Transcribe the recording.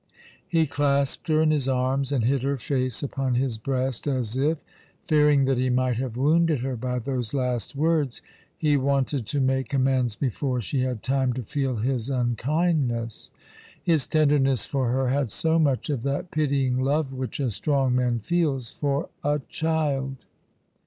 He clasped her in his arms, and hid her face upon his breast, as if — fearing that he might have wounded her by those last words — he wanted to make amends before she had time to feel his unkindness. His tenderness for her had so much of that pitying love which a strong man feels for a child.